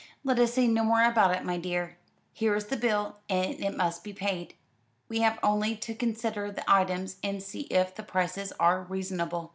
Let us say no more about it, my dear. Here is the bill, and it must be paid. We have only to consider the items, and see if the prices are reasonable."